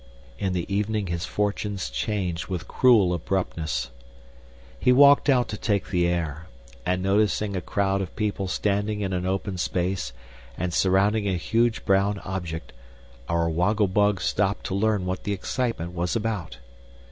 In the evening his fortunes changed with cruel abruptness. He walked out to take the air, and noticing a crowd people standing in an open space and surrounding a huge brown object, our Woggle Bug stopped to learn what the excitement was about.